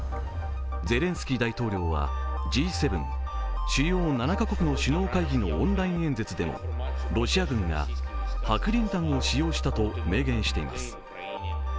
ゼレンスキー大統領はＧ７＝主要７か国の首脳会議のオンライン演説でロシア軍が白リン弾を使用したと明言しています。